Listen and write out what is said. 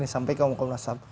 sampai kmu komnas ham